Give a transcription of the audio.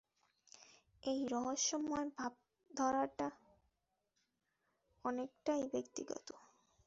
এই রহস্যময় ভাবধারাটা অনেকটাই ব্যক্তিগত।